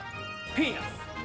ピーナツ。